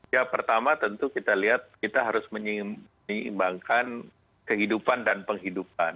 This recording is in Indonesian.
ya pertama tentu kita lihat kita harus menyeimbangkan kehidupan dan penghidupan